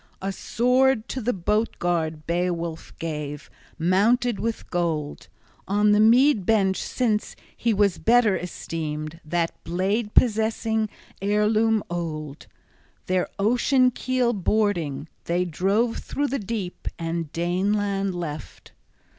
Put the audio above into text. A sword to the boat guard Beowulf gave, mounted with gold; on the mead bench since he was better esteemed, that blade possessing, heirloom old. Their ocean keel boarding, they drove through the deep, and Daneland left.